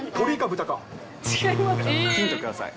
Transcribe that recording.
ヒントください。